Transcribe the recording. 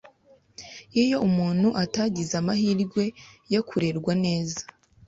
Iyo umuntu atagize amahirwe yo kurerwa neza